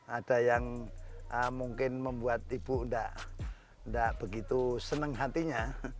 ada yang mungkin membuat ibu enggak begitu seneng hatinya